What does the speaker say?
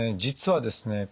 実はですね